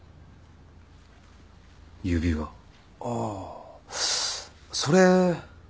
ああそれ。